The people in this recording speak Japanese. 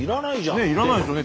ねえいらないですよね。